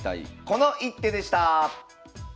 この一手」でした。